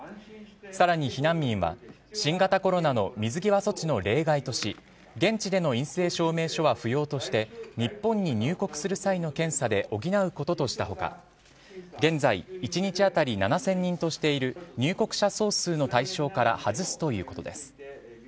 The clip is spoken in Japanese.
さらに避難民は新型コロナの水際措置の例外とし現地での陰性証明書は不要として日本に入国する際の検査で補うこととした他現在、１日当たり７０００人としている入国者総数の対象から外すということです。